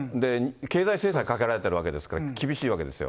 経済制裁かけられてるわけですから、厳しいわけですよ。